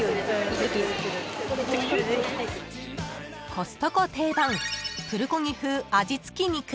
［コストコ定番プルコギ風味付き肉］